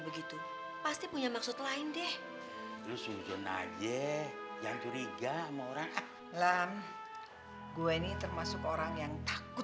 begitu pasti punya maksud lain deh lusun aja yang curiga namalra ulam gue ini termasuk orang yang takut